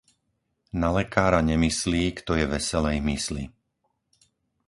Na lekára nemyslí, kto je veselej mysli.